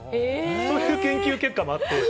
そういう研究結果もある。